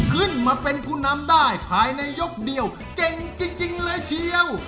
ขึ้นมาเป็นผู้นำได้ภายในยกเดียวเก่งจริงเลยเชียว